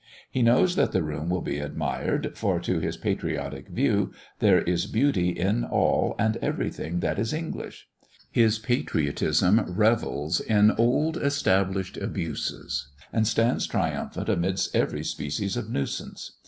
He knows that the room will be admired, for to his patriotic view, there is beauty in all and everything that is English. His patriotism revels in old established abuses, and stands triumphant amidst every species of nuisance.